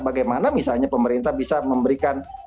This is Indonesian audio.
bagaimana misalnya pemerintah bisa memberikan